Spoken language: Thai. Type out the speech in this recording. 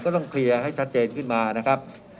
ต้องเคลียร์ให้ชัดเจนขึ้นมานะครับ